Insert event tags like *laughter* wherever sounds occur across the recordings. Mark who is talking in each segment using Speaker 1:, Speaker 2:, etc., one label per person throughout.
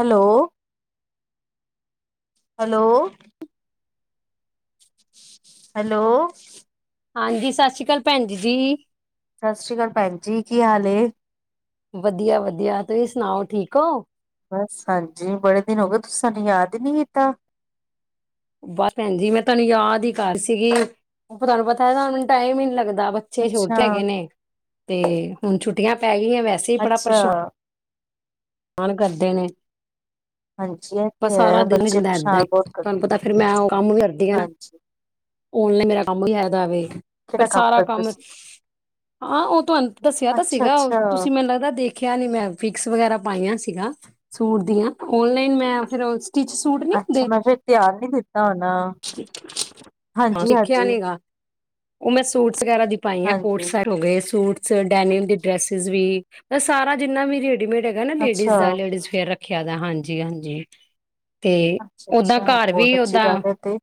Speaker 1: Hello hello hello
Speaker 2: ਹਾਂਜੀ, ਸਤਿ ਸ਼੍ਰੀ ਅਕਾਲ ਭੈਣ ਜੀ।
Speaker 1: ਸਤਿ ਸ੍ਰੀ ਅਕਾਲ, ਭੈਣ ਜੀ, ਕੀ ਹਾਲ।
Speaker 2: ਵਧੀਆ-ਵਧੀਆ, ਤੁਸੀਂ ਸੁਣਾਓ ਠੀਕ ਹੋ?
Speaker 1: ਬਸ, ਹਾਂਜੀ, ਬੜੇ ਦਿਨ ਹੋ ਗਏ ਤੁਸੀਂ ਸਾਨੂੰ ਯਾਦ ਨੀ ਕੀਤਾ।
Speaker 2: ਬਸ ਭੈਣ ਜੀ, ਮੈਂ ਤੁਹਾਨੂੰ ਯਾਦ ਹੀ ਕਰ ਸੀਗੀ, ਉਹ ਤੁਹਾਨੂੰ ਪਤਾ ਹੈੈ ਨਾ ਟਾਈਮ ਹੀ ਨੀ ਲੱਗਦਾ। ਬੱਚੇ
Speaker 1: ਅੱਛਾ।
Speaker 2: ਛੋਟੇ ਹੈਗੇ ਨੇ, ਤੇ ਹੁਣ ਛੁੱਟੀਆਂ ਪੈ ਗਈਆਂ। ਵੈਸੇ ਹੀ ਬੜਾ
Speaker 1: ਅੱਛਾ
Speaker 2: ਪਰੇਸ਼ਾਨ ਮਣ ਕਰਦੇ ਨੇ
Speaker 1: ਹਾਂਜੀ ਇਹ ਤੇ
Speaker 2: ਬਸ ਸਾਰਾ
Speaker 1: ਹੈ
Speaker 2: ਦਿਲ
Speaker 1: ਬੱਚੇ
Speaker 2: ਹੁੰਦਾ ਏਦਾਂ
Speaker 1: ਪਰੇਸ਼ਾਨ
Speaker 2: ਹੀ,
Speaker 1: ਬਹੁਤ ਕਰਦੇ
Speaker 2: ਤੁਹਾਨੂੰ ਪਤਾ ਫਿਰ ਮੈਂ ਉਹ ਕੰਮ ਕਰਦੀ ਹੈ ਨਾ।
Speaker 1: ਹਾਂਜੀ।
Speaker 2: ਉਨਲਾਇਨ ਮੇਰਾ ਕੰਮ ਵੀ ਹੈਦਾਵੇ।
Speaker 1: ਕਿਹੜਾ
Speaker 2: ਫਿਰ ਸਾਰਾ
Speaker 1: ਕਰਦੇ
Speaker 2: ਕੰਮ
Speaker 1: ਸੀ?
Speaker 2: ਹਾਂ, ਉਹ ਤੁਹਾਨੂੰ ਦੱਸਿਆ ਤਾਂ
Speaker 1: ਅੱਛਾ,
Speaker 2: ਸੀਗਾ, ਉਹ
Speaker 1: ਅੱਛਾ,
Speaker 2: ਤੁਸੀਂ ਮੈਨੂੰ ਲੱਗਦਾ ਦੇਖਿਆ ਨੀ, ਮੈਂ ਫਿਕਸ ਵਗੈਰਾ ਪਾਈਆਂ। ਸੀਗਾ ਸੂਟ ਦੀਆਂ ਉਨਲਾਈਨ ਮੈਂ ਰੋ
Speaker 1: ਅੱਛਾ ਮੈਂ ਫੇਿਰ ਧਿਆਨ ਨੀ ਦਿੱਤਾ ਧ ਨਾ ਹਾਂਜੀ
Speaker 2: ਦੇਖਿਆ
Speaker 1: ਹਾਂਜੀ
Speaker 2: ਨੀ ਗਾ ਉਹ ਮੈਂ ਸੂਟ ਵਗੈਰਾ ਦੀ ਪਾਈ ਆ ਕੋਟ
Speaker 1: ਹਾਂਜੀ
Speaker 2: ਸ ਹੋ ਗਏ ਸੂਟਸ ਡੈਨੀਅਲ ਦੇ ਡਰੈਸਿਸ ਵੀ ਇਹ ਸਾਰਾ ਜਿੰਨਾ ਮੇਰੀ ਮੇਡ ਹੈਗਾ ਨਾ
Speaker 1: ਅੱਛਾ,
Speaker 2: ਲੇਡੀਜ਼ ਦਾ ਲਡੀਜ਼ ਵੇਅਰੱਖ ਖਿਆ ਦਾ ਹਾਂਜੀ ਹਾਂਜੀ ਤੇ
Speaker 1: ਅੱਛਾ,
Speaker 2: ਓਦਾਾਂ
Speaker 1: ਅੱਛਾ
Speaker 2: ਘਰ
Speaker 1: ਬਹੁਤ
Speaker 2: ਵੀ
Speaker 1: ਅੱਛੀ
Speaker 2: ਓਦਾਂ
Speaker 1: ਗੱਲ ਹੈ ਤੇ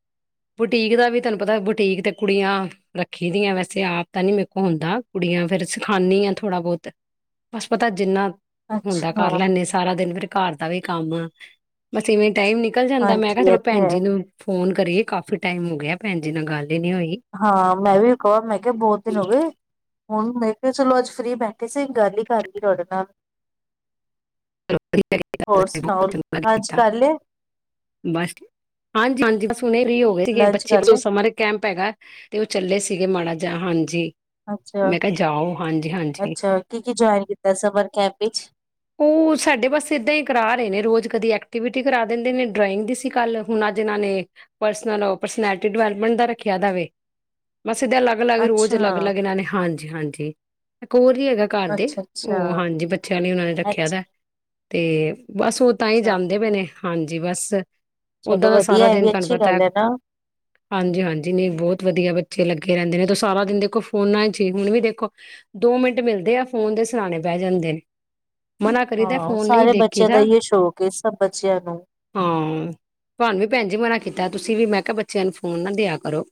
Speaker 2: ਬੁਟੀਕ ਦਾ ਵੀ ਤਹਨੂੰ ਪਤਾ ਬੁਟੀਕ ਤੇ ਕੁੜੀਆਂ ਰੱਖੀ ਦੀਆਂ ਵੈਸੇ ਆਪ ਤਾਂ ਨੀ ਮੇਰੇ ਕੋਲ ਹੁੰਦਾ ਕੁੜੀਆਂ ਫੇਿਰ ਸਿਖਾਉਂਦੀ ਹਾਂ ਥੋੜ੍ਹਾ ਬਹੁਤ ਬਸ ਪਤਾ ਜਿੰਨਾ ਹੁੰਦਾ
Speaker 1: ਅੱਛਾ।
Speaker 2: ਕਰ ਲੈਂਦੇ ਸਾਰਾ ਦਿਨ ਫੇਿਰ ਘਰ ਦਾ ਵੀ ਕੰਮ ਬਸ ਇਵੇਂ ਟਾਈਮ ਨਿਕਲ ਜਾਂਦਾ ਮੈਂ ਕਿਹਾ
Speaker 1: ਹਾਂਜੀ
Speaker 2: ਚਲੋ
Speaker 1: ਇਹ ਤੇ
Speaker 2: ਭੈਣ
Speaker 1: ਹੈ
Speaker 2: ਜੀ ਨੂੰ ਫੋਨ ਕਰੀਏ ਕਾਫੀ ਟਾਈਮ ਹੋ ਗਿਆ ਭੈਣ ਜੀ ਨਾਲ ਗੱਲ ਹੀ ਨੀ ਹੋਈ
Speaker 1: ਹਾਂ ਮੈਂ ਵੀ ਕਵਾ ਮੈਂ ਕਿਹਾ ਬਹੁਤ ਦਿਨ ਹੋ ਗਏ ਹੁਣ ਮੈਂ ਕਿਹਾ ਚਲੋ ਅੱਜ ਫਰੀ ਬੈਠੇ ਸੀ ਗੱਲ ਹੀ ਕਰ ਲਈ ਤੁਹਾਡੇ ਨਾਲ ਹੋਰ ਸੁਣਾਓ
Speaker 2: ਚੰਗਾ
Speaker 1: ਲੰਚ
Speaker 2: ਕੀਤਾ
Speaker 1: ਕਰ ਲਿਆ
Speaker 2: ਬਸ ਹਾਂਜੀ ਹਾਂਜੀ ਬ ਸੁਣੇ ਵੀ ਹੋ ਗਏ ਸੀਗੇ
Speaker 1: ਲੰਚ
Speaker 2: ਬੱਚੇ
Speaker 1: ਕਰ ਲਿਆ
Speaker 2: ਸਮਰ ਕੈਂਪ ਹੈਗਾ ਤੇ ਉਹ ਚੱਲੇ ਸੀ ਸੀਗੇ ਮਾੜਾ ਜਿ ਹਾਂਜੀ
Speaker 1: ਅੱਛਾ
Speaker 2: ਮੈਂ ਕਿਹਾ ਜਾਓ ਹਾਂਜੀ ਹਾਂਜੀ
Speaker 1: ਅੱਛਾ ਕੀ ਕੀ ਜਇਨ ਕੀਤਾ ਸਰ ਕੈਪ ਵਿੱਚ
Speaker 2: ਕੁਛ ਸਾਡੇ ਪਾਸ ਇਏਦਾਂ ਹੀ ਕਰਾ ਰਹੇ ਨੇ ਰੋਜ਼ ਕਦੇ ਐਕਟੀਵਿਟੀ ਕਰਾ ਦਿੰਦੇ ਨੇ ਡਰਾਇੰਗ ਦੀ ਸੀ ਕੱਲ ਹੁਣ ਅੱਜ ਇਹਨਾਂ ਨੇ ਪਰਸਨਲ ਪਰਸਨੈਲਿਟੀ ਡਿਵੈਲਪਮੈਂਟ ਦਾ ਰੱਖਿਆ ਜਾਵੇ ਬਸ ਇਹ ਅੱ ਅਲੱਗ ਰੋਜ਼
Speaker 1: ਅੱਛਾ
Speaker 2: ਅਲੱਗ ਅੱਗਨਾਂ ਨੇ ਹਨਾਂ ਹਾਂਜੀ ਹੈਗਾ ਘਰ ਦੇ
Speaker 1: ਅੱਛਾ ਅੱਛਾ
Speaker 2: ਉਹ ਹਾਂਜੀ ਬੱਚਿਆਂ ਉਹਨਾਂ
Speaker 1: ਅੱਛਾ
Speaker 2: ਦੇ ਦਾ ਤੇ
Speaker 1: ਅੱਛਾ
Speaker 2: ਅਤੇ ਬਸ ਉਹ ਤਾਂ ਹੀ ਜਾਂਦੇ ਪਏ ਨੇ ਹਾਂਜੀ ਬਸ ਓਦਾਂ
Speaker 1: ਚਲੋ
Speaker 2: ਦਾ
Speaker 1: ਵਧੀਆ ਇਹ ਵੀ ਅੱਛੀ ਗੱਲ ਹੈ ਨਾ
Speaker 2: ਹਾਂਜੀ ਹਾਂਜੀ ਨਹੀਂ ਬਹੁਤ ਵਧੀਆ ਬੱਚੇ ਲੱਗੇ ਰਹਿੰਦੇ ਨੇ ਤਾਂ ਸਾਰਾ ਦਿਨ ਦੇਖੋ ਫੋਨਾਂ ਚ ਹੀ ਹੁਣ ਵੀ ਦੇਖੋ ਦੋ ਮਿੰਟ ਮਿਲਦੇ ਆ ਫੋਨ ਦੇ ਸਲਾਣੇ ਪਹਿ ਜਾਂਦੇ ਨੇ ਮਨਾ ਕਰੀਦਾ
Speaker 1: ਹਾਂ
Speaker 2: ਫੋਨ ਨਹੀਂ
Speaker 1: ਸਾਰੇ
Speaker 2: ਦੇਖੀ
Speaker 1: ਬੱਚਿਆਂ
Speaker 2: ਦਾ
Speaker 1: ਹੀ ਸ਼ੌਕ ਹੈ ਸਭ ਬੱਚਿਆਂ ਨੂੰ
Speaker 2: ਹਾਂ ਭਣੂੰ ਵੀ ਭੈਣ ਜੀ ਮਨਾ ਕੀਤਾ ਤੁਸੀਂ ਵੀ ਮੈਂ ਕਿਹਾ ਬੱਚਿਆਂ ਨੂੰ ਫੋਨ ਨਾ ਦਿਆ ਕਰੋ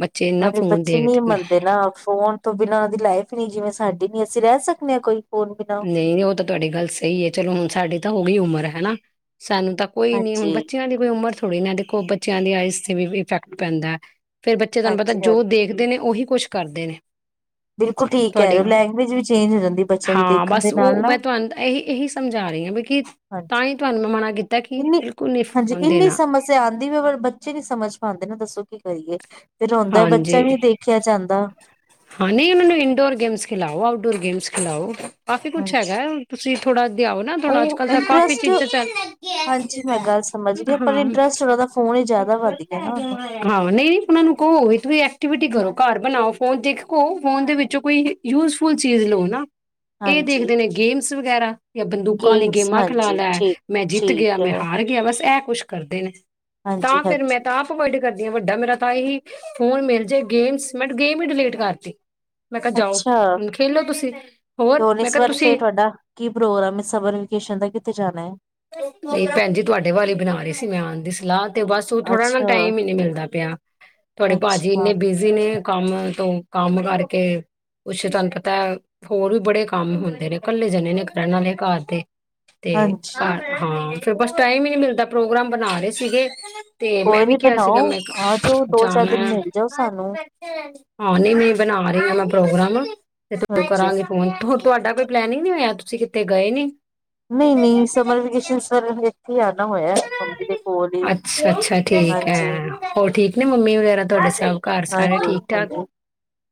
Speaker 2: ਬੱਚੇ ਇੰਨਾ
Speaker 1: ਹੇ
Speaker 2: ਫੋਨ
Speaker 1: ਬੱਚੇ ਨਹੀ
Speaker 2: ਦੇਖਦੇ ਨੇ।
Speaker 1: ਮੰਨਦੇ ਨਾ ਫੋਨ ਤੋਂ ਬਿਨਾਂ ਉਹ ਦੀ ਲਾਈਫ ਨੀ ਜਿਵੇਂ ਸਾਡੇ ਨੀ ਅਸੀਂ ਰਹਿ ਸਕਦੇ ਹਾਂ ਕੋਈ ਫੋਨ ਬਿਨਾਂ
Speaker 2: ਨਹੀਂ ਨਹੀਂ ਉਹ ਤਾਂ ਤੁਹਾਡੀ ਗੱਲ ਸਹੀ ਹੈ ਚਲੋ ਹੁਣ ਸਾਡੇ ਤਾਂ ਹੋ ਉਮਰ ਹੈਾ ਸਾਨੂੰ ਤਾਂ ਕੋਈ ਨੀ ਹੁਣ
Speaker 1: ਹਾਂਜੀ
Speaker 2: ਬੱਚਿਆਂ ਦੀ ਕੋਈ ਉਮਰ ਥੋੜ੍ਹੀ ਨਾ ਦੇਖੋ ਬੱਚਿਆਂ ਦੀ ਆਈਜ਼ ਤੇ ਵੀ ਇਫੈਕਟ ਪੈਂਦਾ ਹੈ ਫੇਿਰ ਬੱਚੇ ਤੁਹਾਨੂੰ ਪਤਾ
Speaker 1: ਹਾਂਜੀ
Speaker 2: ਜੋ
Speaker 1: ਹਾਂਜੀ
Speaker 2: ਦੇਖਦੇ ਨੇ ਉਹੀ ਕੁਛ ਕਰਦੇ ਨੇ
Speaker 1: ਬਿਲਕੁਲ ਠੀਕ ਹੈ ਯੋ
Speaker 2: ਤੁਹਾਡੀ
Speaker 1: ਲੈਂਗੁਏਜ ਵੀ ਚੇਂਜ ਹੋ ਜਾਂਦੀ ਬੱਚੇ
Speaker 2: ਹਾਂ ਬਸ ਉਹ ਮੈਂ ਤੁਹਾਨੂੰ ਇਹੀ ਇਹੀ ਸਮਝਾ ਰਹੀ ਹਾਂ ਵੀਕਿ
Speaker 1: ਹਾਂਜੀ
Speaker 2: ਤਾਂ ਹੀ ਤੁਹਾਨੂੰ ਮੈਂ ਮਨਾ ਕੀਤਾ ਕਿ
Speaker 1: ਇੰਨੀ
Speaker 2: ਬਿਲਕੁਲ ਨਹੀਂ
Speaker 1: ਹਾਂਜੀ
Speaker 2: ਫੋਨ
Speaker 1: ਇੰਨੀ
Speaker 2: ਦੇਣਾ
Speaker 1: ਸਮੱਸਿਆ ਆਂਦੀ ਵੀ ਬੱਚੇ ਨੀ ਸਮਝ ਪਾਉਂਦੇ ਨਾ ਦੱਸੋ ਕੀ ਕਰੀਏ ਫਿਰ ਆੋਂਦਾ ਬੱਚਾ
Speaker 2: ਹਾਂਜੀ,
Speaker 1: ਵੀ ਦੇਖਿਆ ਜਾਂਦਾ
Speaker 2: ਹਾਂ ਨਹੀਂ ਉਹਨਾਂ ਨੂੰ ਇੰਡੋਰ ਗੇਮਸ ਖਿਲਾਓ ਆਊਟਡੋਰ ਗੇਮਸ ਖਿਲਾਓ ਕਾਫੀ ਕੁਛ ਹੈਗਾ
Speaker 1: ਹਾਂਜੀ।
Speaker 2: ਤੁਸੀਂ ਥੋੜਾ ਦਿਓ ਨਾ ਥੋੜਾ ਅੱਜ
Speaker 1: ਉਹ
Speaker 2: ਕਲ ਤਾਂ ਕਾਫੀ
Speaker 1: ਇੰਟਰਸਟ
Speaker 2: ਚ
Speaker 1: ਹਾਂਜੀ ਮੈਂ ਗੱਲ ਸਮਝ ਗਈ ਪਰ
Speaker 2: ਹਾਂ
Speaker 1: ਇੰਟਰਸਟ ਉਹਦਾ ਫੋਨ ਹੀ ਜ਼ਿਆਦਾ ਵੱਧ ਗਿਆ ਨਾ ਉਹਨੂੰ
Speaker 2: ਹਾਂ ਨਹੀਂ ਉਹ ਨੂੰ ਘ ਐਕਟੀਵਿਟੀ ਕਰੋ ਘਰ ਬਣਾਓ ਫੋਨ ਦੇਖੋ ਫੋਨ ਦੇ ਵਿੱਚੋਂ ਕੋਈ ਯੂਜਫੁਲ ਚੀਜ਼ ਲਓ ਨਾ ਇਹ
Speaker 1: ਹਾਂਜੀ।
Speaker 2: ਦੇਖਦੇ ਨੇ ਗੇਮਸ ਵਗੈਰਾ ਜਾਂ ਬੰਦੂਕਾਂ ਲਈ
Speaker 1: ਗੇਮਸ
Speaker 2: ਗੇਮਾਂ ਖਿਲਾ
Speaker 1: ਹਾਂਜੀ
Speaker 2: ਲੈ
Speaker 1: ਠੀਕ
Speaker 2: ਮੈਂ ਜਿੱਤ ਗਿਆ
Speaker 1: ਠੀਕ
Speaker 2: ਮੈਂ
Speaker 1: ਹੈ
Speaker 2: ਹਾਰ ਗਿਆ ਬਸ ਇਹ ਕੁਛ ਕਰਦੇ ਨੇ ਤਾਂ ਫੇਿਰ ਮੈਂ
Speaker 1: ਹਾਂਜੀ-ਹਾਂਜੀ
Speaker 2: ਤਾਂ ਆਪ ਵੱਡ ਕਰਦੀਾਂ ਵੱਡਾ ਮੇਰਾ ਤਾਂ ਇਹੀ ਫੋਨ ਮਿਲ ਜੇ ਗੇਮਸ ਮੈਂਟ ਗੇਮ ਹੀ ਡਿਲੀਟ ਕਰਤੀ ਮੈਂ ਕਿਹਾ ਜਾਓ
Speaker 1: ਅੱਛਾ
Speaker 2: ਹੁਣ ਖੇਲੋ ਤੁਸੀਂ
Speaker 1: ਤੇ
Speaker 2: ਹੋਰ
Speaker 1: ਹੁਣ
Speaker 2: ਮੈਂ
Speaker 1: ਇਸ
Speaker 2: ਕਿਹਾ
Speaker 1: ਵਾਰ ਫੇਰ
Speaker 2: ਤੁਸੀਂ
Speaker 1: ਤੁਹਾਡਾ ਕੀ ਪ੍ਰੋਗਰਾਮ ਹੈ ਸਮਰ ਵੇਕੇਸ਼ਨ ਦਾ ਕਿੱਥੇ ਜਾਣਾ ਹੈ?
Speaker 2: ਨਹੀਂ ਭੈਣ ਜੀ ਤੁਹਾਡੇ ਵਾਲੀ ਬਣਾ ਰਹੀ ਸੀ ਮੈਂ ਆਉਣ ਦੀ ਸਲਾਹ ਤੇ ਬਸ ਉਹ ਥੋੜਾ ਨਾ ਟਾਈਮ ਹੀ ਨਹੀਂ ਮਿਲਦਾ ਪਿਆ ਬੜੇ ਭਾਜੀ
Speaker 1: ਅੱਛਾ-ਅੱਛਾ
Speaker 2: ਇੰਨੇ ਬਿਜ਼ੀ ਨੇ ਕੰਮ ਤੋਂ ਕੰਮ ਕਰਕੇ ਕੁਛ ਤੁਹਾਨੂੰ ਪਤਾ ਹੋਰ ਵੀ ਬੜੇ ਕੰਮ ਹੁੰਦੇ ਨੇ ਕੱਲੇ ਜਣੇ ਨੇ ਕਰਨ ਵਾਲੇ ਘਰ ਦੇ ਤੇ ਘ
Speaker 1: ਹਾਂਜੀ
Speaker 2: ਹਾਂ ਫਰ ਬਸ ਟਾਈਮ ਹੀ ਨਹੀ ਮਿਲਦਾ ਪ੍ਰੋਗਰਾਮ ਬਣਾ ਰਹੇ ਸੀਗੇ ਤੇ ਮੈਂ
Speaker 1: ਕੋਈ
Speaker 2: ਵੀ
Speaker 1: ਨੀ
Speaker 2: ਕਿਹਾ
Speaker 1: ਬਣਾਓ
Speaker 2: ਸੀਗਾ ਮੈਂ
Speaker 1: ਆ ਜਾਓ ਦੋ ਚਾਰ
Speaker 2: ਜਾਣਾ
Speaker 1: ਦਿਨ ਮਿਲ ਜਾਓ ਸਾਨੂੰ
Speaker 2: ਹਾਂ ਨਹੀਂ ਮ ਬਣਾ ਰਹੀ ਮੈਂ ਪ੍ਰੋਗਰਾਮ ਤੇ
Speaker 1: ਹਾਂਜੀ।
Speaker 2: ਕਰਾਂ ਫੋਨ ਤੁਹਾਡ ਕੋਈ ਪਲੈਨਿੰਗ ਨਹੀਂ ਹੋਆ ਤੁਸੀਂ ਕਿਤੇ ਗਏ ਨੀ
Speaker 1: ਨਹੀਂ ਨਹੀਂ ਸਮਰ ਵਕੇਸ਼ਨ ਸਰ ਹੀ ਆਣਾ ਹੋਇਆ ਮੰਮੀ ਦੇ ਕੋਲ ਹੀ
Speaker 2: ਅੱਛਾ ਅੱਛਾ ਠੀਕ ਹੈ ਹੋਰ ਠੀਕ ਨੇ ਮੰਮੀ ਵਗੈਰਾ ਤੁਹਾਡੇ ਸਭ ਘਰ ਸਾਰੇ ਠੀਕ ਠਾਕ
Speaker 1: ਹਾਂਜੀ-ਹਾਂਜੀ-ਹਾਂਜੀ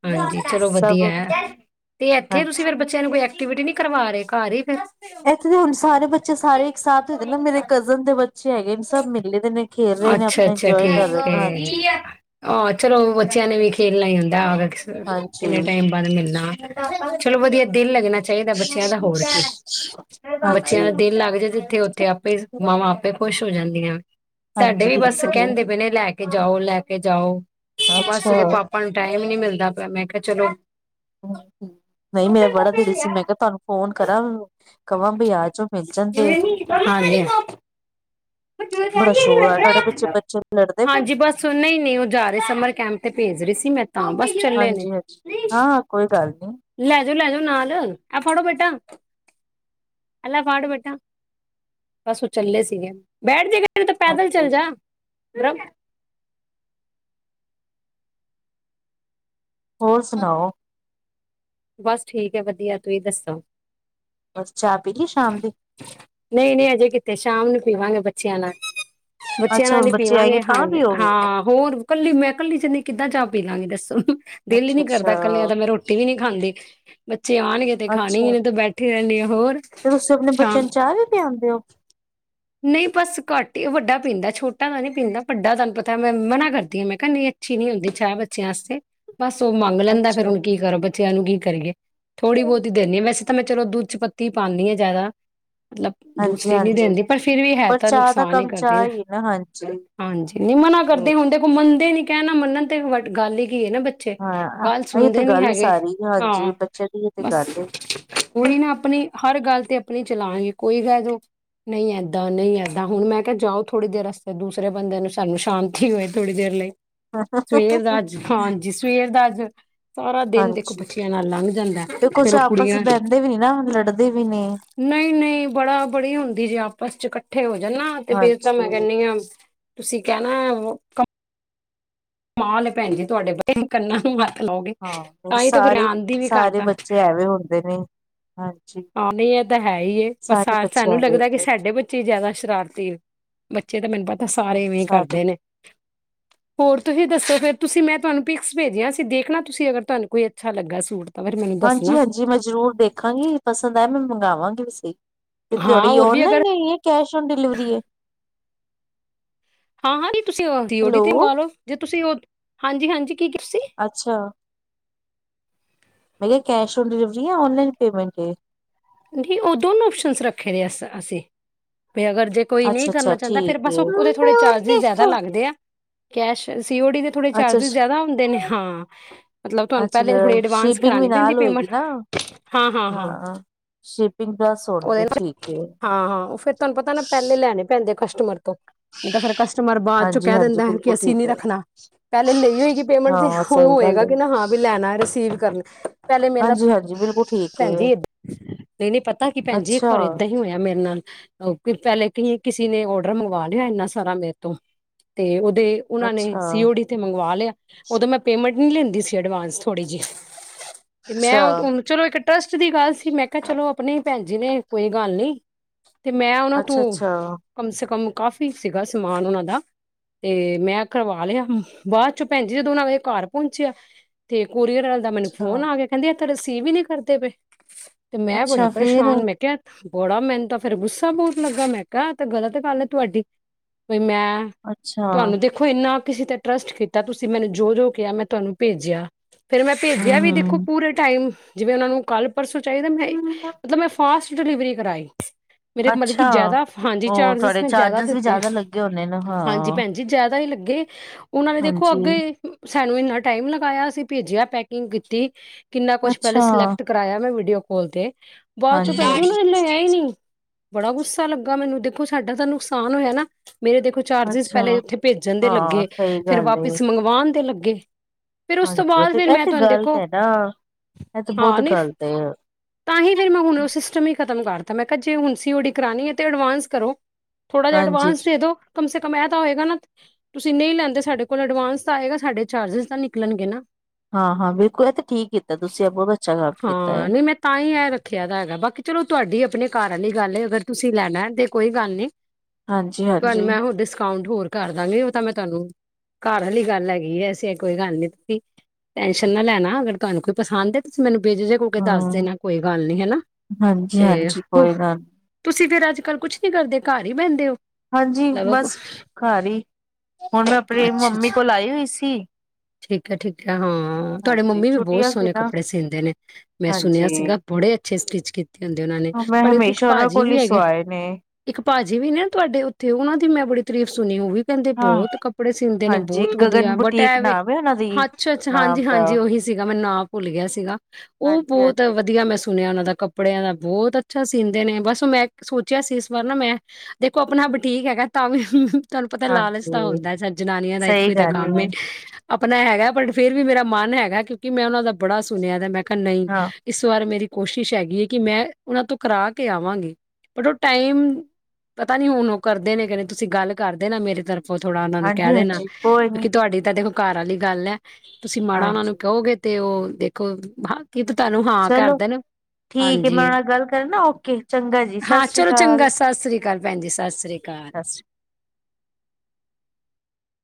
Speaker 2: ਹਾਂਜੀ ਚਲੋ
Speaker 1: ਸਭ
Speaker 2: ਵਧੀਆ ਹੈ ਤੇ ਇੱਥੇ ਤੁਸੀਂ
Speaker 1: ਹਾਂਜੀ
Speaker 2: ਫੇਿਰ ਬੱਚਿਆਂ ਨੂੰ ਕੋਈ ਐਕਟੀਵਿਟੀ ਨਹੀਂ ਕਰਵਾ ਰਹੇ ਘਰ ਹੀ ਫਿਰ
Speaker 1: ਏਥੇ ਤੇ ਹੁਨ ਸਾਰੇ ਬੱਚੇ ਸਾਰੇ ਇੱਕ ਸਾਥ ਹੋ ਜਾਂਦੇ ਨੇ ਮੇਰੇ ਕਜ਼ਨ ਦੇ ਬ ਚੇ ਹੈਗੇ ਨੇ ਸਭ ਮਿਲੇ ਦੇ ਨੇ
Speaker 2: ਅੱਛਾ
Speaker 1: ਆਪਣਾ
Speaker 2: ਅੱਛਾ ਠੀਕ
Speaker 1: ਇੰਜੋਏ ਕਰ ਰਹੇ ਨਾ ਹਾਂਜੀ
Speaker 2: ਏ ਹਹ ਚਲੋ ਬੱਚਿਆਂ ਨੇ ਵੀ ਖੇ ਖੇਲਨਾ ਈ ਹੁੰਦਾ ਆਗ ਕਿੰਨੇ ਟਾਈਮ ਬਾਅਦ ਮਿਲਨਾ ਚਲੋ ਵਧੀਆ ਦਿਲ ਲੱਗਨਾ ਚਾਹੀਦੇ ਬੱਚਿਆਂ ਦਾ ਹੋਰ ਕੇ, ਬੱਚਿਆਂ ਦਾ
Speaker 1: ਹਾਂਜੀ-ਹਾਂਜੀ-ਹਾਂਜੀ
Speaker 2: ਦਿਲ ਲੱਗ ਜੇ ਜਿੱਥੇ ਉੱਥੇ ਆਪੇ ਮਾਵਾਂ, ਆਪੇ ਖੁਸ਼ ਹੋ ਜਾਂਦੀਆਂ ਸਾਡੇ ਵੀ ਬਸ
Speaker 1: ਬਿਲਕੁਲ
Speaker 2: ਕੇੰਦੇ ਪਏ ਨੇ ਲੈ ਕੇ ਕੇ ਜਾਓ ਲੈ ਕੇ ਜਾਓ ਬਸ ਏਦੇ
Speaker 1: ਅੱਛਾ
Speaker 2: ਪਾਪਾ ਨੂੰ ਟਾਈ ਟਾਈਮ ਈ ਨੀ ਮਿਲਦਾ ਪਿਆ ਮੈਂ ਕਿਹਾ ਚਲੋ
Speaker 1: ਨਹੀਂ ਮੇਰਾ ਬੜਾ ਦਿਲ ਸੀ, ਮੈਂ ਕਿਹਾ ਤੁਹਾਨੂੰ ਫੋਨ ਕਰਾਂ ਕਵਾਂ ਵੀ ਆ ਜਾਓ ਮਿਲ ਜਾਂਦੇ
Speaker 2: ਹਾਂਜੀ ਹਾਂਜੀ
Speaker 1: ਬੜਾ ਸ਼ੋਰ ਆ ਤੁਹਾਡੇ ਪਿੱਛੇ ਬੱਚੇ ਲੜਦੇ ਪਏ ਨੇ
Speaker 2: ਹਾਂਜੀ, ਬਸ ਓਨਾ ਈ ਨੀ ਉਹ ਜਾ ਰਹੇ ਸਮਰ ਕੈਂਪ ਤੇ ਭੇਜ ਰਹੀ ਸੀ ਮੈਂ ਤਾਂ ਬਸ ਚੱਲੇ
Speaker 1: ਹਾਂਜੀ ਹਾਂਜੀ ਹਾਂ ਕੋਈ ਗੱਲ ਨੀ
Speaker 2: ਲੈਜੋ ਲੈਜ ਓ ਨਾਲ ਆ ਫੜੋ ਬੇਟਾ, ਐ ਲੈ ਫੜ ਬੇਟਾ ਬਸ ਉਹ ਚੱਲੇ ਸੀਗੇ ਬੈਠ ਜੇ ਫੇਰ ਤੇ ਪੈਦਲ
Speaker 1: ਹਾਂਜੀ
Speaker 2: ਚੱਲ ਜਾ *unintelligible*
Speaker 1: ਹੋਰ ਸੁਨਾਓ
Speaker 2: ਬਸ ਠੀਕ ਏ ਵਧੀਆ, ਤੁਹੀ ਦੱਸੋ
Speaker 1: ਬਸ ਚਾ ਪੀਲੀ ਸ਼ਾਮ ਦੀ
Speaker 2: ਨਹੀਂ ਨਹੀਂ ਅਜੇ ਕਿੱਥੇ ਸ਼ਾਮ ਨੂੰ ਪੀਵਾਂਗੇ ਬੱਚਿਆਂ ਨਾਲ ਬੱਚਿਆਂ
Speaker 1: ਅੱਛਾ
Speaker 2: ਨਾਲ
Speaker 1: ਹੁਣ
Speaker 2: ਈ
Speaker 1: ਬੱਚੇ
Speaker 2: ਪੀਵਾਂਗੇ।
Speaker 1: ਆਏਂਗੇ ਤਾਂ
Speaker 2: ਹਾਂਜੀ
Speaker 1: ਪੀਓਗੇ
Speaker 2: ਹਾਂ ਹੋਰ ਕੱਲੀ ਮੈਂ ਕੱਲੀ ਜਨੀ ਕਿੱਦਾਂ ਚਾ ਪੀ ਲਾਂ ਗੀ, ਦੱਸੋ ਦਿਲ ਈ ਨੀ
Speaker 1: ਅੱਛਾ ਅੱਛਾ
Speaker 2: ਕਰਦਾ ਕੱਲਿਆ ਦਾ, ਮੈਂ ਰੋਟੀ ਵੀ ਨੀ ਖਾਂਦੇ ਬੱ ਬੱਚੇ ਆਨਗੇ ਤੇ ਖਾਨੀ ਏ
Speaker 1: ਅੱਛਾ
Speaker 2: ਨੀ ਤੇ ਬੈਠੇ ਰਹਿੰਨੇ ਆ, ਹੋਰ
Speaker 1: ਤੇ ਤੁਸੀਂ ਆਪਣੇ ਬੱਚਿਆਂ
Speaker 2: ਸ਼ਾਮ
Speaker 1: ਨੂੰ ਚਾਹ ਵੀ ਪਿਆਂਦੇ ਹੋ
Speaker 2: ਨਹੀਂ ਬਸ ਘੱਟ ਈ ਵੱਡਾ ਪੀਂਦੇ, ਛੋਟਾ ਤਾਂ ਨਹੀਂ ਪੀਂਦਾ ਵੱਡਾ ਤਾਨੂੰ ਪਤਾ ਮੈਂ ਮਨਾ ਕਰਦੀ, ਮੈਂ ਕੇ ਨਹੀਂ ਅੱਛੀ ਨਹੀਂ ਹੁੰਦੀ ਚਾਹ ਬੱਚਿਆਂ ਆਸਤੇ ਬਸ ਉਹ ਮੰਗ ਲੈਂਦਾ ਫੇਰ
Speaker 1: ਅੱਛਾ
Speaker 2: ਹੁਨ ਕੀ ਕਰਾ ਬ ਬੱਚਿਆਂ ਨੂੰ ਕੀ ਕਰੀਏ ਥੋੜ੍ਹੀ ਬੋਤੀ ਦੇਨੀ ਆ ਵੈਸੇ ਤਾਂ ਮੈਂ ਚਲੋ ਦੁੱਧ ਚ ਪੱਤੀ ਪਾਣੀ ਹਾਂ ਜ਼ਿਆਦਾ। ਮਤਲਬ
Speaker 1: ਹਾਂਜੀ
Speaker 2: ਦੂਸਰੀ ਨੀ
Speaker 1: ਹਾਂਜੀ
Speaker 2: ਦੇਿੰਦੀ। ਫਿਰ ਵੀ ਹੈ
Speaker 1: ਪਰ
Speaker 2: ਤਾਂ
Speaker 1: ਚਾਹ ਦਾ
Speaker 2: ਨੁਕਸਾਨ ਹੀ
Speaker 1: ਕੰਮ
Speaker 2: ਕਰਦੇ
Speaker 1: ਚਾਹ
Speaker 2: ਨੇ
Speaker 1: ਹੀ ਨਾ ਹਾਂਜੀ
Speaker 2: ਹਾਂਜੀ ਨੀ ਮਨਾ
Speaker 1: ਤੇ
Speaker 2: ਕਰਦੇ ਹੁੰਣ ਦੇਖੋ ਮਨਾ ਮੰਨਦੇ ਨੀ ਕਹਿਣਾ ਮੰਨਣ ਤੇ ਵੱਡ ਗੱਲ ਹੀ- ਹੈ ਨਾ ਬੱਚੇ
Speaker 1: ਹਾਂ
Speaker 2: ਗੱਲ
Speaker 1: ਇਹ
Speaker 2: ਸੁਣਦੇ
Speaker 1: ਤੇ
Speaker 2: ਨੀ
Speaker 1: ਗੱਲ
Speaker 2: ਹੈਗੇ,
Speaker 1: ਸਾਰੀ ਹਾਂਜੀ
Speaker 2: ਹਾਂ
Speaker 1: ਬੱਚਿਆਂ ਦੀ ਇਹ ਤੇ
Speaker 2: ਬਸ
Speaker 1: ਗੱਲ ਏ
Speaker 2: ਉਹੀ ਨਾ ਆਪਣੀ ਹਰ ਗੱਲ ਤੇ ਆਪਣੀ ਚਲਾਾਂਗੇ ਕੋਈ ਕਹਿ ਦੋ ਨਹੀਂ ਇੱਦਾਂ ਨਹੀਂ ਇੱਦਾਂ ਹੁਣ ਮੈਂ ਕਿਹਾ ਜਾਓ ਥੋੜ੍ਹੀ ਦੇਰ ਰਸਤੇ ਦੂਸਰੇ ਬੰਦੇ ਨੂੰ ਸਾਨੂੰ ਸ਼ਾਂਤੀ ਹੋਏ ਥੋੜ੍ਹੀ ਦੇਰ ਲਈ ਸਵੇਰ ਦਾ ਅੱਜ ਹਾਂਜੀ ਸਵੇਰ ਦਾ ਅੱਜ ਸਾਰਾ ਦਿਨ ਦੇਖੋ
Speaker 1: ਹਾਂਜੀ
Speaker 2: ਬੱਚਿਆਂ ਨਾਲ ਲੰਘ ਜਾਂਦਾ।
Speaker 1: ਤੇ
Speaker 2: ਫਿਰ
Speaker 1: ਕੁਛ
Speaker 2: ਉਹ
Speaker 1: ਆਪਸ ਚ
Speaker 2: ਕੁੜੀਆਂ
Speaker 1: ਬਹਿੰਦੇ ਵੀ ਨੀ ਨਾ ਲੜਦੇ ਵੀ ਨੇ
Speaker 2: ਨਹੀਂ- ਨਹੀਂ ਬੜਾ ਬੜੇ ਹੁੰਦੀ ਜੇ ਆਪਸ ਚ ਇਕੱਠੇ ਹੋਏ ਜਾਂਣਾ ਤੇ ਫੇਰ ਤਾਂ
Speaker 1: ਹਾਂਜੀ
Speaker 2: ਮੈਂ ਕਹਿੰਣੀ ਹਾਂ ਤੁਸੀਂ ਕਹਿਣਾ ਮਾਂ ਨੇ ਪੈਣਗੇ ਤੁਹਾਡੇ ਬਈ ਕੰਨਾਂ ਨੂੰ ਹੱਥ ਲਾਓਗੇ
Speaker 1: ਹਾਂ
Speaker 2: ਤਾਂ ਹੀ ਤਾਂ ਫਿਰ
Speaker 1: ਸਾਰੇ-
Speaker 2: ਆਂਦੀ ਵੀ
Speaker 1: ਸਾਰੇ
Speaker 2: ਘੱਟ ਆ
Speaker 1: ਬੱਚੇ ਐਵੇਂ ਹੁੰਦੇ ਨੇ ਹਾਂਜੀ!
Speaker 2: ਹਾਂ ਨਹੀਂ ਇਹ ਤਾਂ ਹੈ ਹੀ ਬ
Speaker 1: ਸਾਰੇ ਬੱਚੇ
Speaker 2: ਸਾਨੂੰ
Speaker 1: ਐਵੇਂ
Speaker 2: ਲੱਗਦਾ ਕਿ
Speaker 1: ਹੁੰਦੇ
Speaker 2: ਸਾਡੇ ਬੱਚੇ ਜ਼ਿਆਦਾ ਸ਼ਰਾਰਤੀ ਬੱਚੇ ਤਾਂ ਮੈਨੂੰ ਪਤਾ ਸਾਰੇ ਇਵੇਂ ਕਰਦੇ ਨੇ ਹੋਰ- ਤੁਸੀਂ ਦੱਸੋ ਫਿਰ ਤੁਸੀ ਮੈਂ ਤੁਹਾਨੂੰ ਪਿਕਸ ਭੇਜਿਆ ਅਸੀਂ ਦੇਖਣਾ ਤੁਸੀਂ ਅਗਰ ਤੁਹਾਨੂੰ ਕੋਈ ਅੱਛਾ ਲੱਗਾ ਸੂਟ ਤਾਂ ਫਿਰ ਮੈਨੂੰ ਦੱਸਣਾ
Speaker 1: ਹਾਂਜੀ-ਹਾਂਜੀ ਮੈਂ ਜ਼ਰੂਰ ਦੇਖਾਂਗੀ ਬਸ ਮੈਂ ਮੈ ਮੰਗਵਾਵਾਂਗੀ ਵੀ ਸਈ ਇਹ
Speaker 2: ਹਾਂ
Speaker 1: ਤਿਓੜੀ
Speaker 2: ਹੋਰ ਵੀ ਅਗਰ
Speaker 1: ਔਨਲਾਈਨ ਲਣੀ ਏ ੱਕੈਸ਼- ਨ ਡਿਲੀਵਰੀ ਏ
Speaker 2: ਹਾਂ ਹਾਂਜੀੀ ਤੁਸੀਂਓਡੀ ਤੇ
Speaker 1: ਹੈਲੋ
Speaker 2: ਉਗਾ ਲਓ ਜੇ ਤੁਸੀਂ ਉਹ- ਹਾਂਜੀ- ਹਾਂਜੀ! ਕੀ ਤੁਸੀਂ
Speaker 1: ਅੱਛਾ। ਮੈਂ ਕਿਹਾ ਕੈਸ਼ ਔਨ ਡਿਲੀਵਰੀ ਜਾਂ ਔਨਲਾਈਨ ਪੇਮੈਂਟ ਏ
Speaker 2: ਨਹੀਂ ਉਹ ਦੋਨ ਓਪਸ਼ਨਸ ਰੱਖੇ ਦੇ ਅ ਅਸੀਂ ਅਗਰ ਜੇ ਕੋਈ ਨਹੀਂ
Speaker 1: ਅੱਛਾ-ਅੱਛਾ
Speaker 2: ਕਰਨਾ ਚਾਹੁੰਦਾ ਫਰ
Speaker 1: ਠੀਕ
Speaker 2: ਬਸ
Speaker 1: ਏ।
Speaker 2: ਉਹਦੇ ਥੋੜੇ ਚਾਰਜਿਸ ਜਿਆਦਾ
Speaker 1: ਅੱਛਾ-ਅੱਛਾ।
Speaker 2: ਲੱਗਦੇ ਆ ਕੈਸ਼ ਸੀਓ ਡੀ ਦੇ ਥੋੜੇ ਚਾਰਜਿਸ
Speaker 1: ਅੱਛਾ
Speaker 2: ਜ਼ਿਆਦਾ ਹੁੰਦੇ ਨੇ ਹਾਂ ਮਤਲਬ
Speaker 1: ਅੱਛਾ
Speaker 2: ਤੁਹਾਨੂੰ ਪਹਿਲੇ ਥੜ੍ਹੀ
Speaker 1: ਅੱਛਾ,
Speaker 2: ਅਡਵਾਂਸ
Speaker 1: ਸ਼ਿਪਿੰਗ ਵੀ
Speaker 2: ਕਰਣੀ ਪੈਂਦੀ
Speaker 1: ਨਾਲ ਹੋਏਗੀ
Speaker 2: ਪੇਮੈਂਟ
Speaker 1: ਨਾ
Speaker 2: ਹਾਂ-ਹਾਂ- ਹਾਂ!
Speaker 1: ਸ਼ਿਪਿੰਗ ਪਲੱਸ
Speaker 2: ਉਹਦੇ
Speaker 1: ਹੋਣਗੇ ਠੀਕ
Speaker 2: ਨਾਲ
Speaker 1: ਏ
Speaker 2: ਹਾਂ-ਹਾਂ ਉਹ ਫੇਿਰ ਤੁਹਾਨੂੰ ਪਤਾ ਨਾ ਪਹਿਲੇ ਲੈਣੇ ਪੈਂਦੇ ਕਸ਼ਟ ਮਰ ਨਹੀਂ ਤਾਂ ਫੇਿਰ ਕਸਟਮਰ ਬਾਅਦ ਚ ਕਹਿ
Speaker 1: ਹਾਂਜੀ-ਹਾਂਜੀ
Speaker 2: ਦਿੰਦਾ ਹੈ ਕਿ
Speaker 1: ਬਿਲਕੁਲ
Speaker 2: ਅਸੀਂ ਨੀ
Speaker 1: ਠੀਕ ਏ।
Speaker 2: ਰੱਖਣਾ ਪਹਿਲੇ ਲਈ ਹੋਏਗੀ ਪੇਮੈਂਟ ਤੇ
Speaker 1: ਹਾਂ
Speaker 2: ਉਹਨੂੰ
Speaker 1: ਸਹੀ ਗੱਲ
Speaker 2: ਹੋਏਗਾ ਕਿ ਨਾ ਹਾਂ ਵੀ ਲੈਣਾ ਰਿਸੀਵ *unintelligible*
Speaker 1: ਹਾਂਜੀ- ਹਾਂਜੀ, ਬਿਲਕੁਲ ਠੀਕ ਏ।
Speaker 2: ਇਹਨੇ ਪਤਾ ਕਿ ਭੈਣ ਜੀ, ਇੱਕ
Speaker 1: ਅੱਛਾ।
Speaker 2: ਵਾਰ ਏਦਾਂ ਹੀ ਹੋਇਆ। ਮੈਂ ਰੇ ਨਾਲ ਪਹਿਲੇ ਕ ਕਿਸੇ ਨੇ ਔਡਰ ਮੰਗਵਾ ਲਿਆ ਇਨਾ ਸਾਰਾ, ਮੇਰੇ ਤੋਂ। ਤੇ ਦੇ ਉਹਨਾਂ ਨੇ
Speaker 1: ਅੱਛਾ-ਅੱਛਾ,
Speaker 2: ਸੀਓ ਡੀ ਤੇ ਮੰਗਵਾ ਲਿਆ, ਉਦੋਂ ਮੈਂ ਪੇਮੈਂਟ ਨਹੀਂ ਲੈਂਦੀ ਸੀ ਐਡਵਾਂਸ, ਥੋੜ੍ਹੀ ਜਿਹੀ ਤੇ ਮੈਂ
Speaker 1: ਅੱਛਾ-ਅੱਛਾ,
Speaker 2: ਚਲੋ, ਇੱਕ ਟਰੱਸਟ ਦੀ ਗੱਲ ਸੀ। ਮੈਂ ਕਿਹਾ, ਚਲੋ। ਆਪਣੀ ਭੈਣ ਜੀ ਨੇ, ਕੋਈ ਗੱਲ ਨੀ ਤੇ ਮੈਂ ਉਹਨਾਂ ਤੋਂ,
Speaker 1: ਅੱਛਾ। ਅੱਛਾ ਅੱਛਾ
Speaker 2: ਕਮ ਸੇ ਕਮ ਕਾਫ਼ੀ ਸੀਗਾ ਸਮਾਨ ਉਹਨਾਂ ਦਾ, ਤੇ ਮੈਂ ਕਰਵਾ ਲਿਆ ਬਾਅਦ ਚੋਂ, ਭੈਣ ਜੀ ਜਦੋਂ ਉਹਨਾਂ ਦੇ ਘਰ ਪਹੁੰਚਿਆ ਤੇ, ਕੋਰੀਅਰ ਮੈਨੂੰ ਫੋਨ ਆ ਕੇ, ਕਹਿੰ ਆ ਤੇ ਰਸੀਵ ਵੀ ਨੀੰ ਕਰਦੇ ਪਏ। ਤੇ ਮੈਂ ਬੜੀ
Speaker 1: ਅੱਛਾ ਫੇਰ
Speaker 2: ਪਰੇਸ਼ਾਨ, ਮੈਂ ਕਿਹਾ ਬੜਾ ਮੈਹੂੰ ਤਾਂ ਫੇਰ ਗੁੱਸਾ ਬਹੁਤ ਲੱਗਾ, ਮੈਂ ਕਿਹਾ ਤੇ ਗਲਤ ਗਲ ਹੈ ਤੁਹਾਡੀ। ਮੈਂ
Speaker 1: ਅੱਛਾ
Speaker 2: ਤੁਹਾਨੂੰ ਦੇਖੋ ਇੰਨਾ ਕਿਸੇ ਤੇ ਟਰੱਸਸਟ ਕੀਤਾ ਤੁਸੀਂ, ਮੈਨੂੰ ਜੋ ਜੋ ਕਿਹਾ ਮੈਂ ਤੁਹਾਨੂੰ ਭੇਜਿਆ। ਫਿਰ ਮੈਂ
Speaker 1: ਹੂੰ
Speaker 2: ਭੇਜਿਆ ਵੀ ਦੇਖੋ, ਪੂਰੇ ਟਾਈਮ ਜਿਵੇਂ ਉਹਨਾਂ ਨੂੰ, ਕੱਲ੍ਹ -ਪਰਸੋਂ ਚਾਹੀਦਾ ਮੈਂ
Speaker 1: ਹੂੰ
Speaker 2: ਮਤਲਬ ਮੈਂ ਫਾਸ *inaudible* ਡਿਲੀਵਰੀ ਕਰਾਈ। ਮੇਰੇ ਮਤਲਬ ਕਿ
Speaker 1: ਅੱਛਾ,
Speaker 2: ਜ਼ਿਆਦਾ ਹਾਂਜੀ
Speaker 1: ਹੋਰ
Speaker 2: ਚਾਰਜਿਸ
Speaker 1: ਤੁਹਾਡੇ
Speaker 2: ਮੈਂ
Speaker 1: ਚਾਰਜਿਸ ਵੀ
Speaker 2: ਦਿੱਤੇ
Speaker 1: ਜ਼ਿਆਦਾ ਲੱਗੇ ਹੁੰਦੇਨ ਹਾਂ।
Speaker 2: ਅੱ ਗਗੇ *inaudible* ਉਹਨਾਂ ਨੇ ਦੇਖੋ
Speaker 1: ਹਾਂਜੀ
Speaker 2: ਅੱਗੇ ਸਾਨੂੰ ਇੰਨਾ ਟਾਈਮ ਲਗਾਇਆ, ਅਸੀਂ ਭੇਜਿਆ ਪੈਕਿੰਗ ਕੀਤੀ। ਕਿੰਨਾ ਕੁਛ
Speaker 1: ਅੱਛਾ
Speaker 2: ਪਹਿਲੇ ਸਿਲੈਕਟ ਕਰਾਆ, ਮੈਂ ਵੀਡੀਓ। ਬੋਲਦੇ ਬਾਅਦ ਚੋਂ
Speaker 1: ਹਾਂਜੀ
Speaker 2: ਭੈਣ ਜੀ
Speaker 1: ਹਾਂਜੀ।
Speaker 2: ਉਹਨਾਂ ਨੇ ਲਿਆਇ ਹੀ ਨੀ। ਬੜਾ ਗੁੱਸਾ ਲੱਗਾ ਮੈਨੂੰ, ਦੇਖੋ ਸਾਡਾ ਤਾਂ ਨੁਕਸਾਨ ਹੋਇਆ ਨਾ। ਮੇਰੇ ਦੇਖੋ ਚਾਰਜਿਸ
Speaker 1: ਅੱਛਾ
Speaker 2: ਪਹਿਲੇ ਉੱਥੇ ਭੇਜਣ ਦੇ
Speaker 1: ਹਾਂ
Speaker 2: ਲੱਗੇ,
Speaker 1: ਸਹੀ
Speaker 2: ਫੇਰ
Speaker 1: ਗੱਲ ਏ
Speaker 2: ਵਾਪਿਸ ਮੰਗਵਾਉਣ ਦੇ ਲੱਗੇ। ਅੱਗੇ
Speaker 1: ਹਾਂਜੀ ਤੇ ਇਹ ਤੇ ਗ਼ਲਤ ਹੈ ਨਾ, ਇਹ ਤੇ
Speaker 2: ਹਾਂ
Speaker 1: ਬਹੁਤ
Speaker 2: ਨਹੀਂ
Speaker 1: ਗ਼ਲਤ ਏ।
Speaker 2: ਤਾਂ ਹੀ ਫਿਰ ਮੈਂ ਹੁਣ, ਉਹ ਸਿਸਟਮ ਖ਼ਤਮ ਕਰਤਾ, ਮੈਂ ਕਿਹਾ ਜੇ ਹੁਣ ਸੀਓਡੀ ਕਰਾਣੀ ਹੈ ਤੇ, ਅਡਵਾਂਸ ਕਰੋ। ਥੋੜਾ ਜਿਹਾ
Speaker 1: ਹਾਂਜੀ
Speaker 2: ਐਡਵਾਂਸ ਦੇ ਦੋ ਕਮ ਸੇ ਕਮ ਇਹ ਤਾਂ ਹੋਏਗਾ ਨਾ ਤੁਸੀਂ ਨਹੀਂ ਲੈਂਦੇ ਸਾਡੇ ਕੋਲ ਅਡਵਾਂਸ ਤਾਂ ਆਏਗਾ ਸਾਡੇ ਚਾਰਜਿਸ ਤਾਂ ਨਿਕਲਣਗੇ ਨਾ
Speaker 1: ਹਾਂ ਹਾਂ ਬਿਲਕੁਲ ਇਹ ਤਾਂ ਠੀਕ ਕੀਤਾ ਤੁਸੀਂ ਇਹ ਬਹੁਤ ਅੱਛਾ ਕੰਮ ਕੀਤਾ ਹੈ
Speaker 2: ਹਾਂ ਨਹੀਂ ਮੈਂ ਤਾਂ ਹੀ ਇਹ ਰੱਖਿਆ ਦਾ ਹੈਗਾ ਬਾਕੀ ਚਲੋ ਤੁਹਾਡੀ ਆਪਣੇ ਘਰ ਵਾਲੀ ਗੱਲ ਅਗਰ ਤੁਸੀਂ ਲੈਣਾ ਤੇ ਕੋਈ ਗੱਲ ਨਹੀਂੀ
Speaker 1: ਹਾਂਜੀ
Speaker 2: ਤੁਹਾਨੂੰ
Speaker 1: ਹਾਂਜੀ
Speaker 2: ਮੈਂ ਹ ਡਿਸਕਾਊਂਟ ਹੋਰ ਕਰ ਦਾਂਗੀ ਉਹ ਤਾਂ ਮੈਂ ਤੁਹਾਨੂੰ ਘਰ ਵਾਲੀ ਗੱਲ ਹੈਗੀ ਐਸੀ ਕੋਈ ਗੱਲ ਨੀ ਤੁਸੀਂ ਟੈਸ਼ਨ ਨਾ ਲੈਣਾ ਅਗਰ ਤੁਹਾਨੂੰ ਕੋਈ ਪਸੰਦ ਹੈ ਤੁਸੀਂ ਮੈਨੂੰ ਜੇ ਕੋਲ ਕੇ ਦੱਸ
Speaker 1: ਹੂੰ
Speaker 2: ਦੇਣਾ ਕੋਈ ਗੱਲ ਨੀ ਹਨਾ
Speaker 1: ਹਾਂਜੀ
Speaker 2: ਤੇ
Speaker 1: ਹਾਂਜੀ
Speaker 2: ਹੋ
Speaker 1: ਕੋਈ ਗੱਲ
Speaker 2: ਤੁਸੀਂ ਫਿਰ ਅਜ ਅੱਜ ਕੱਲ ਕੁਛ ਨੀ ਕਰਦੇ ਘਰ ਹੀ ਬਹਿੰਦੇ ਹੋ
Speaker 1: ਹਾਂਜੀ
Speaker 2: ਮਤਲਬ
Speaker 1: ਬਸ ਘਰ ਹੀ ਹੁਣ ਆਪਣੇ ਮੰਮੀ
Speaker 2: ਅੱਛਾ-ਅੱਛਾ
Speaker 1: ਕੋਲ ਆਈ ਹੋਈ ਸੀ
Speaker 2: ਠੀਕ ਹੈ ਠੀਕ ਹੈ ਹਾਂ ਤੁਹਾਡੇ
Speaker 1: ਹਾਂਜੀ
Speaker 2: ਮੰਮੀ ਵੀ ਬਹੁਤ
Speaker 1: ਛੁੱਟੀਆਂ ਸੀ
Speaker 2: ਸੋਹਣੇ
Speaker 1: ਨਾ
Speaker 2: ਕੱਪੜੇ ਸੀਂਦੇ ਨੇ ਮੈਂ
Speaker 1: ਹਾਂਜੀ
Speaker 2: ਸੁਣਿਆ ਸੀਗਾ ਬੜੇ ਸਟਿਚ ਕੀਤੇ ਹ ਉਹਨਾਂ ਨੇ
Speaker 1: ਮੈਂ
Speaker 2: ਤੁਹਾਡੇ ਉੱਥੇ ਇੱਕ
Speaker 1: ਹਮੇਸ਼ਾ ਉਹਨਾਂ
Speaker 2: ਭਾਜੀ
Speaker 1: ਕੋਲ ਹੀ
Speaker 2: ਵੀ ਹੈਗੇ
Speaker 1: ਸਵਾਏ ਨੇ
Speaker 2: ਇੱਕ ਭਾਜੀ ਵੀ ਨੇ ਤੁਹਾਡੇ ਉੱਥੇ ਉਹਨਾਂ ਦੀ ਮੈਂ ਬੜੀ ਤਾਰੀਫ ਸੁਣੀ ਹੋਗੀ ਕਹਿੰਦੇ
Speaker 1: ਹਾਂ
Speaker 2: ਬਹੁਤ ਕੱਪੜੇ ਸੀਂਦੇ ਨੇ
Speaker 1: ਹਾਂਜੀ
Speaker 2: ਬਹੁਤ
Speaker 1: ਗਗਨ
Speaker 2: ਵਧੀਆ
Speaker 1: ਬੁਟੀਕ
Speaker 2: ਬਟਿਆਵੇ
Speaker 1: ਨਾਮ ਹੈ ਉਹਨਾਂ ਦੀ
Speaker 2: ਅੱਛਾ ਅੱਛਾ
Speaker 1: ਨਾਮ
Speaker 2: ਹਾਂਜੀ
Speaker 1: ਦਾ
Speaker 2: ਹਾਂਜੀ ਉਹੀ ਸੀਗਾ ਮੈਂ ਨਾਂ ਭੁੱਲ ਗਿਆ ਸੀਗਾ ਉਹ
Speaker 1: ਹਾਂਜੀ
Speaker 2: ਬਹੁਤ
Speaker 1: ਹਾਂਜੀ
Speaker 2: ਵਧੀਆ ਮੈਂ ਸੁਣਿਆ ਉਹਨਾਂ ਦਾ ਕੱਪੜਿਆਂ ਦਾ ਬਹੁਤ ਅੱਛਾ ਸੀਂਦੇ ਨੇ ਬਸ ਮੈਂ ਸੋਚਿਆ ਸੀ ਇਸ ਵਾਰ ਨਾ ਮੈਂ ਦੇਖੋ ਆਪਣਾ ਹਬ ਠੀਕ ਹੈਗਾ ਤਾਂ ਵੀ ਤੁਹਾਨੂੰ ਪਤਾ ਲਾਲਚ ਦਾ
Speaker 1: ਹਾਂਜੀ
Speaker 2: ਹੁੰਦਾ ਸਰ ਜਨਾਨੀਆਂ ਦਾ
Speaker 1: ਸਹੀ
Speaker 2: ਇੱਕੋ ਹੀ ਤਾਂ
Speaker 1: ਗੱਲ
Speaker 2: ਕੰਮ
Speaker 1: ਹੈ
Speaker 2: ਆਪਣਾ ਹੈਗਾ ਬਟ ਫੇਿਰ ਵੀ ਮੇਰਾ ਮਨ ਹੈਗਾ ਕਿਉਂਕਿ ਮੈਂ ਉਹਨਾਂ ਦਾ ਬੜਾ ਸੁਣਿਆ ਦਾ ਮੈਂ ਹੀ
Speaker 1: ਹਾਂ
Speaker 2: ਇਸ ਵਾਰ ਮੇਰੀ ਕੋਸ਼ਿਸ਼ ਹੈਗੀ ਹੈ ਕਿ ਮੈਂ ਉਹਨਾਂ ਤੋਂ ਕਰਾ ਕੇ ਆਵਾਂਗੀ ਬਟ ਉਹ ਟਾਈਮ ਪਤਾ ਨੀ ਹੁਣ ਉਹ ਕਰਦੇ ਨੇ ਕਹਿੰਦੇ ਤੁਸੀਂ ਗੱਲ ਕਰਦੇ ਨਾ ਮੇਰੇ ਤਰਫ ਥੋੜਾ ਉਹਨਾ ਨੂੰ ਕਹਿ
Speaker 1: ਹਾਂਜੀ
Speaker 2: ਦੇਣਾ
Speaker 1: ਹਾਂਜੀ ਕੋਈ ਨੀ
Speaker 2: ਕਿਉਂਕਿ ਤੁਹਾਡੀ ਤਾਂ ਦੇਖੋ ਘਰ ਵਾਲੀ ਗੱਲ ਹੈ ਤੁਸੀਂ ਮਾੜਾ ਉਹਨਾ ਨੂੰ
Speaker 1: ਹਾਂਜੀ
Speaker 2: ਕਹੋਗੇ ਤੇ ਉਹ ਦੇਖੋ ਕੀ ਤੁਹਾਨੂੰ ਹਾਂ ਕਰ
Speaker 1: ਚਲੋ
Speaker 2: ਦੇਣ
Speaker 1: ਠੀਕ ਹੈ ਮੈਂ
Speaker 2: ਹਾਂਜੀ
Speaker 1: ਉਹ ਨਾਲ ਗੱਲ ਕਰਾਂ ਨਾ ਓਕੇ ਚੰਗਾ ਜੀ ਸਤਿ ਸ੍ਰੀ ਅਕਾਲ
Speaker 2: ਕਲ ਭੇਣ ਸਤ ਸ੍ਰੀ ਅਕਾਲ ਘਰ
Speaker 1: ਸਤਿ ਸ੍ਰੀ